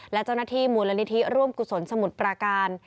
และเจ้าหน้าที่มูลนิธิร่วมกุศลสมุทรปราการ